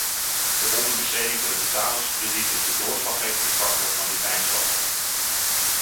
De onderbesteding van de betalingskredieten is de doorslaggevende factor van dit eindsaldo.